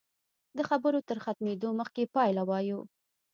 د خبرو تر ختمېدو مخکې پایله وایو.